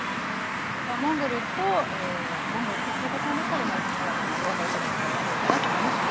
モンゴルとモンゴルの生活の中で生まれたものだっていうのがお分かりいただけたら何よりかなと思います。